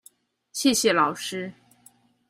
謝謝老師